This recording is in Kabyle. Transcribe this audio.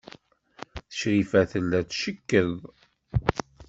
Crifa tella tcekkeḍ.